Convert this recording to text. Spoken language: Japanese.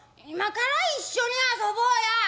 「今から一緒に遊ぼうや」。